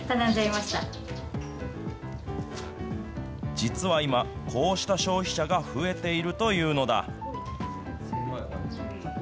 実は今、こうした消費者が増えているというのだ。